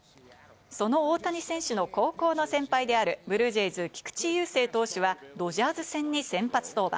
その大谷選手の高校の先輩であるブルージェイズ・菊池雄星投手はドジャース戦に先発登板。